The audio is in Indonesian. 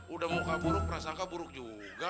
udah muka buruk prasangka buruk juga